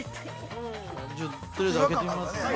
とりあえず開けてみますね。